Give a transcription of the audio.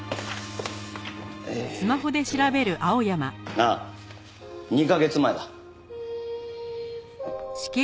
ああ２カ月前だ。